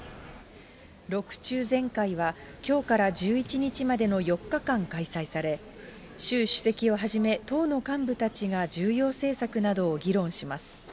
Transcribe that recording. ６中全会は、きょうから１１日までの４日間開催され、習主席をはじめ党の幹部たちが重要政策などを議論します。